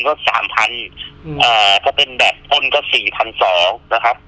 ก็สามพันอืมเอ่อก็เป็นแบบมึงก็สี่พันสองนะครับ